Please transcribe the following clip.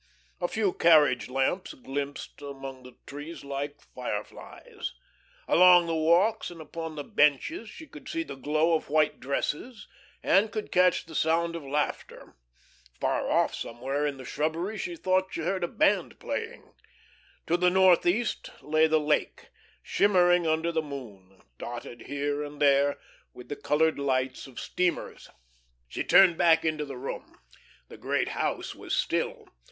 A few carriage lamps glimpsed among the trees like fireflies. Along the walks and upon the benches she could see the glow of white dresses and could catch the sound of laughter. Far off somewhere in the shrubbery, she thought she heard a band playing. To the northeast lay the lake, shimmering under the moon, dotted here and there with the coloured lights of steamers. She turned back into the room. The great house was still.